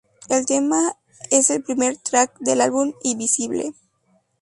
El tema es el primer track del álbum "Invisible".